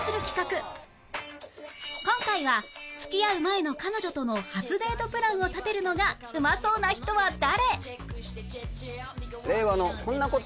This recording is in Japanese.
今回は付き合う前の彼女との初デートプランを立てるのがうまそうな人は誰？